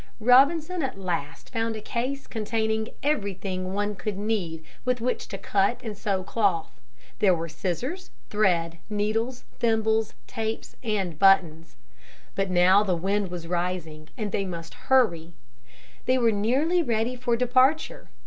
Robinson at last found a case containing everything one could need with which to cut and sew cloth. There were scissors, thread, needles, thimbles, tapes, and buttons. But now the wind was rising and they must hurry. They were nearly ready for departure.